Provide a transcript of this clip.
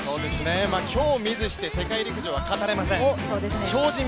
今日見ずして世界陸上は語れません。